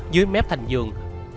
dưới mép thành giường